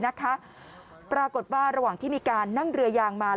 จะไปขึ้นฝั่งที่ไหนดูดู